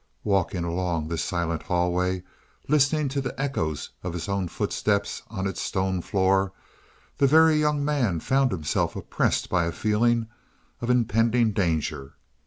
Walking along this silent hallway, listening to the echoes of his own footsteps on its stone floor, the Very Young Man found himself oppressed by a feeling of impending danger.